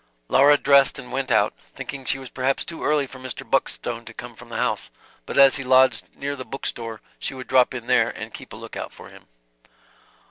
Laura dressed and went out, thinking she was perhaps too early for Mr. Buckstone to come from the house, but as he lodged near the bookstore she would drop in there and keep a look out for him.